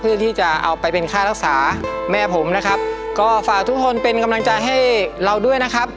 เพื่อที่จะเอาไปเป็นค่ารักษาแม่ผมนะครับก็ฝากทุกคนเป็นกำลังใจให้เราด้วยนะครับ